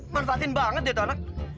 manfaatin banget dia tuh anak